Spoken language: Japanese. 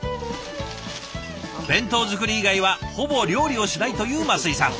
弁当作り以外はほぼ料理をしないという升井さん。